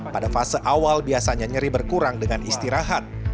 pada fase awal biasanya nyeri berkurang dengan istirahat